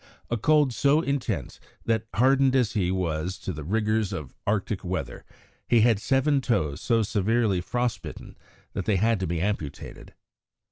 a cold so intense that, hardened as he was to the rigours of Arctic weather, he had seven toes so severely frost bitten that they had to be amputated.